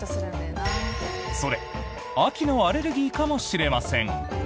それ秋のアレルギーかもしれません。